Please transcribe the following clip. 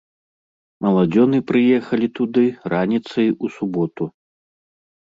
Маладзёны прыехалі туды раніцай у суботу.